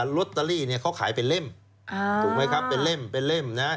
ลอตเตอรี่เนี่ยเขาขายเป็นเล่มถูกไหมครับเป็นเล่มเป็นเล่มนะฮะ